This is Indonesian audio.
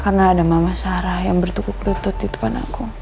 karena ada mama sarah yang bertuku kelutut di depan aku